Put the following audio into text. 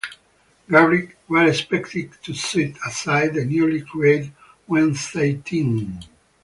Garrick were expected to sweep aside the newly created Wednesday team.